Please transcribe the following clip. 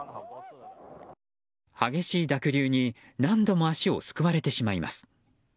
激しい濁流に何度も足をすくわれてしまいます。